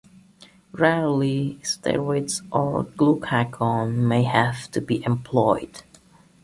Rarely, steroids or glucagon may have to be employed.